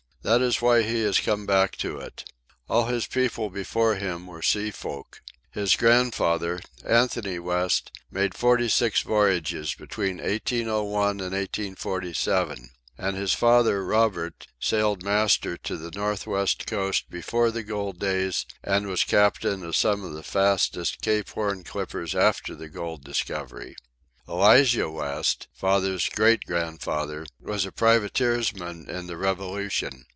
That is why he has come back to it. All his people before him were sea folk. His grandfather, Anthony West, made forty six voyages between 1801 and 1847. And his father, Robert, sailed master to the north west coast before the gold days and was captain of some of the fastest Cape Horn clippers after the gold discovery. Elijah West, father's great grandfather, was a privateersman in the Revolution.